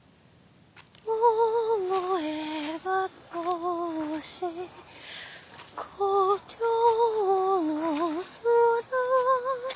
「思えば遠し故郷の空」